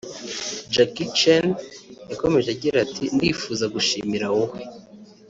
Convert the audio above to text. Jackie Chan yakomeje agira ati “ Ndifuza gushimira wowe